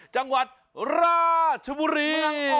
จังหวัดราชบุรี